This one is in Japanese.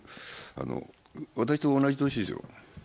私と同じ年ですよ。